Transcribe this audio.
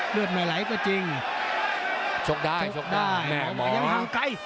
เลือดมาไหลก็จริงชกได้ชกได้แหมหมอยังยังไกล